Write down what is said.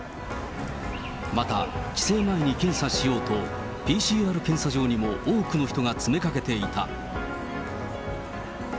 また、帰省前に検査しようと、ＰＣＲ検査場にも多くの人が詰めかけていた。